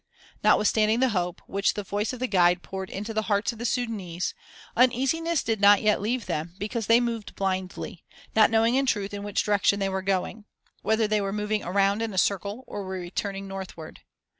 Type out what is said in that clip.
Notwithstanding the hope, which the voice of the guide poured into the hearts of the Sudânese, uneasiness did not yet leave them, because they moved blindly, not knowing in truth in which direction they were going; whether they were moving around in a circle or were returning northward.